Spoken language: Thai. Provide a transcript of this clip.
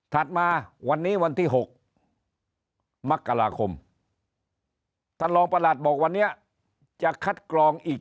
มาวันนี้วันที่๖มกราคมท่านรองประหลัดบอกวันนี้จะคัดกรองอีก